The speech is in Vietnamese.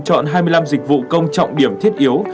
chọn hai mươi năm dịch vụ công trọng điểm thiết yếu